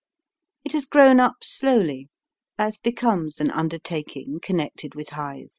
It has grown up slowly, as becomes an undertaking connected with Hythe.